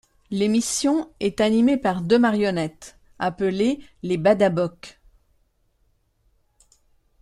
L'émission est animée par deux marionnettes appelées les Badaboks.